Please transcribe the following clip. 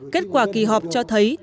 kết quả kỳ họp cho thấy